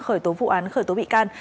khởi tố vụ án khởi tố bị can